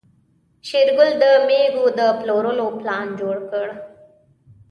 شېرګل د مېږو د پلورلو پلان جوړ کړ.